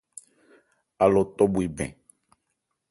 Alɔ tɔ bhwe bɛn.